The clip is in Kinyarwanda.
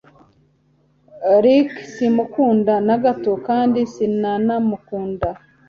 Rick simukunda nagato kandi sinanamukunda